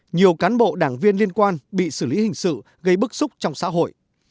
nhiều cán bộ đảng viên liên quan bị xử lý hình sự gây bức xúc trong xã hội